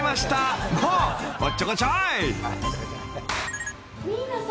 ［もうおっちょこちょい］